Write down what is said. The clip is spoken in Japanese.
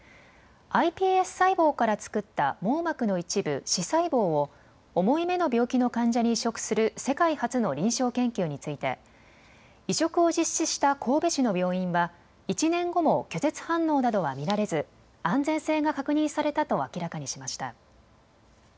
ｉＰＳ細胞から作った網膜の一部、視細胞を重い目の病気の患者に移植する世界初の臨床研究について移植を実施した神戸市の病院は１年後も拒絶反応などは見られず安全性が確認されたと明らかにしました。